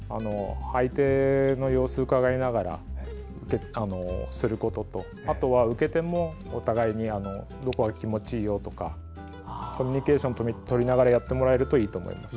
相手の様子をうかがいながらすることとあとは受け手も、お互いどこが気持ちいいよとかコミュニケーションをとりながらやってもらえるといいと思います。